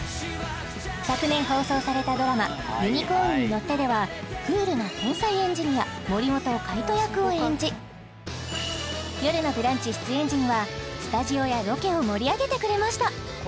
昨年放送されたドラマ「ユニコーンに乗って」ではクールな天才エンジニア森本海斗役を演じ「よるのブランチ」出演時にはスタジオやロケを盛り上げてくれました